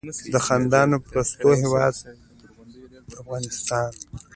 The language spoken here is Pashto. د خندانو پستو هیواد افغانستان.